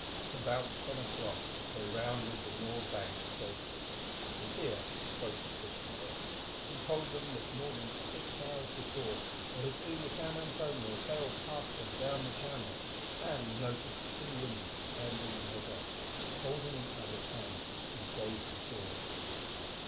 About ten o'clock they rounded the Nore bank safely, and here spoke a fishing boat, who told them that more than six hours before they had seen the San Antonio sail past them down Channel, and noted two women standing on her deck, holding each other's hands and gazing shorewards.